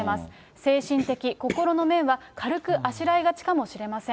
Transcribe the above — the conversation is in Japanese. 精神的、心の面は軽くあしらいがちかもしれません。